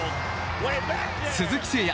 鈴木誠也